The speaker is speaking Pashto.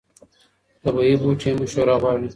طبیعي بوټي هم مشوره غواړي.